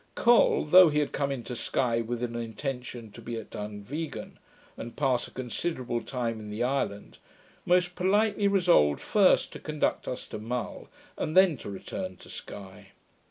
Col, though he had come into Sky with an intention to be at Dunvegan, and pass a considerable time in the island, most politely resolved first to conduct us to Mull, and then to return to Sky.